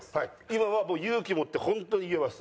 今は勇気持ってホントに言えます。